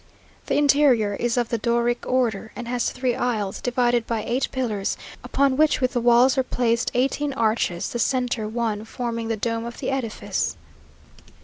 The interior is of the Doric order, and has three aisles, divided by eight pillars, upon which with the walls are placed eighteen arches, the centre one forming the dome of the edifice.